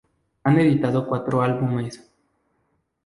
Han editado cuatro álbumes.